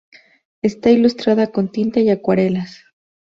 Está ilustrada con tinta y acuarelas.